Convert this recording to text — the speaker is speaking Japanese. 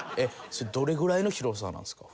どれぐらいの広さなんですか？